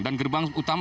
dan gerbang utama